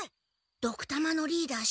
ドクたまのリーダー